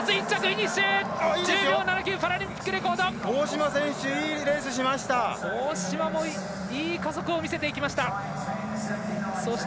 大島もいい加速を見せていきました。